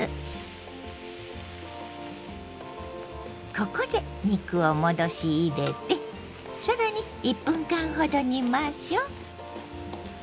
ここで肉を戻し入れて更に１分間ほど煮ましょう。